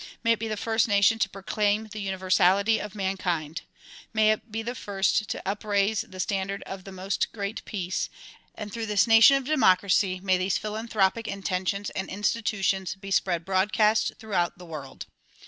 May it be the first nation to proclaim the universality of mankind. May it be the first to up raise the standard of the "Most Great Peace," and through this nation of democracy may these philanthropic intentions and insti tutions be spread broadcast throughout the world.